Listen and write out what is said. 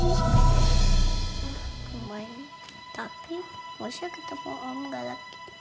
lumayan tapi usya ketemu om gak lagi